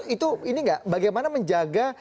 itu bagaimana menjaga